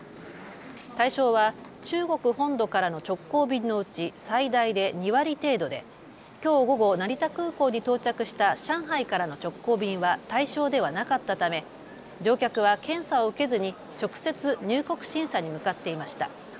対象は中国本土からの直行便のうち最大で２割程度できょう午後、成田空港に到着した上海からの直行便は対象ではなかったため乗客は検査を受けずに直接入国審査に向かっていました。